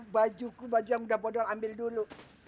bajuku baju yang udah bodol ambil dulu